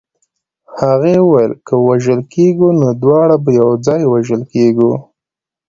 هغې ویل که وژل کېږو نو دواړه به یو ځای وژل کېږو